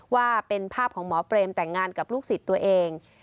ว่าเป็นภาพของหมอเปรมแต่งงานกับลูกศิษย์ตัวเอง